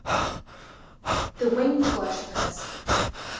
HE WINGED WORSHIPPERS.